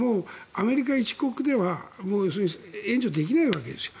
アメリカ一国ではもう援助できないわけですよ。